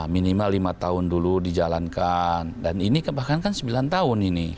minimal lima tahun dulu dijalankan dan ini bahkan kan sembilan tahun ini